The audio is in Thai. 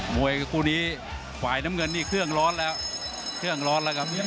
มวยคู่นี้ฝ่ายน้ำเงินนี่เครื่องร้อนแล้วเครื่องร้อนแล้วครับ